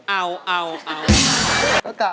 เอาเอาเอา